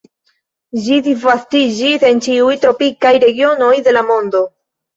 Ĝi disvastiĝis en ĉiuj tropikaj regionoj de la mondo.